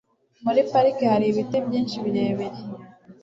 Muri parike hari ibiti byinshi birebire.